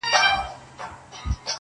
• څه عاشقانه څه مستانه څه رندانه غزل..